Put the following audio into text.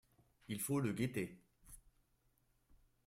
Il faut le guetter.